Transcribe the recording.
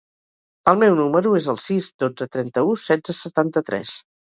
El meu número es el sis, dotze, trenta-u, setze, setanta-tres.